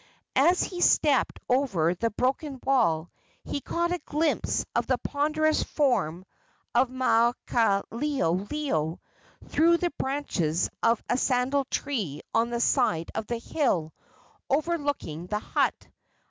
As he stepped over the broken wall he caught a glimpse of the ponderous form of Maukaleoleo through the branches of a sandal tree on the side of the hill overlooking the hut.